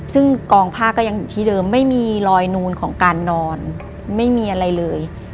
ซึ่งกองผ้าก็ยังอยู่ที่เดิมไม่มีรอยนูนของการนอนไม่มีอะไรเลย